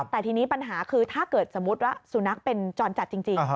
แต่ทีนี้ปัญหาคือถ้าเกิดสมมุติว่าสุนัขเป็นจรจัดจริง